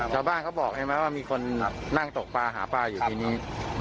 จ้าบ้านเขาบอกไหมว่ามีคนนั่งตกปลาหาปลาอยู่ที่นี่